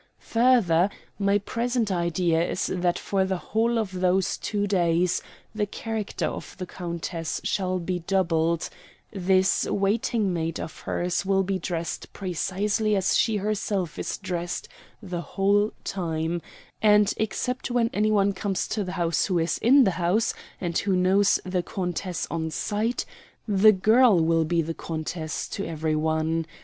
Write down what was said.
Further, my present idea is that for the whole of those two days the character of the countess shall be doubled; this waiting maid of hers will be dressed precisely as she herself is dressed the whole time, and, except when any one comes to the house who is in the house, and who knows the countess on sight, the girl will be the countess to every one.